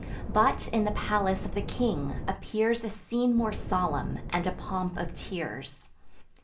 But, in the palace of the king, appears A scene more solemn, and a pomp of tears.